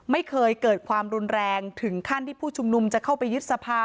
ไม่เคยเกิดความรุนแรงถึงขั้นที่ผู้ชุมนุมจะเข้าไปยึดสภา